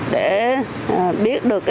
để biết được